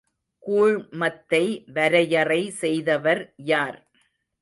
கூழ்மத்தை வரையறை செய்தவர் யார்?